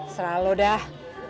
sera lo dah